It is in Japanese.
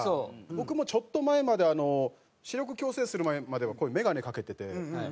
僕もちょっと前まで視力矯正する前まではこういう眼鏡かけてて。